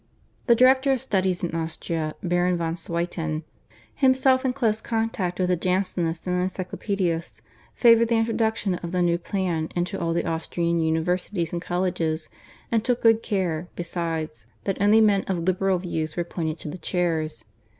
The director of studies in Austria, Baron von Swieten, himself in close contact with the Jansenists and the Encyclopaedists, favoured the introduction of the new plan into all the Austrian universities and colleges, and took good care, besides, that only men of liberal views were appointed to the chairs.